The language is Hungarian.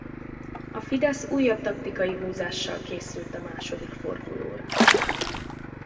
A Fidesz újabb taktikai húzással készült a második fordulóra.